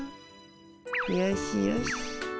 よしよし。